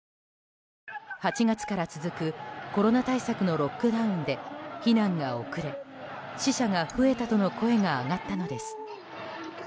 ８月から続く、コロナ対策のロックダウンで避難が遅れ死者が増えたとの声が上がったのです。